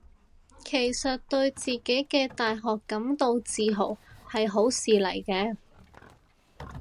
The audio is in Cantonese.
其實對自己嘅大學感到自豪係好事嚟嘅